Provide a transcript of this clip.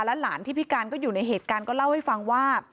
หลานที่พิการก็อยู่ในเหตุการณ์ก็เล่าให้ฟังว่า